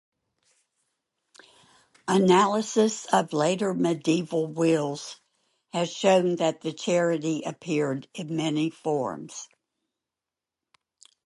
Analysis of later medieval wills has shown that the chantry appeared in many forms.